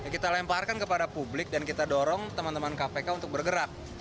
kita lemparkan kepada publik dan kita dorong teman teman kpk untuk bergerak